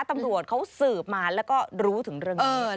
ตำรวจเขาสืบมาแล้วก็รู้ถึงเรื่องนี้